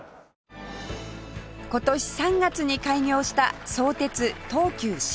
今年３月に開業した相鉄・東急新横浜線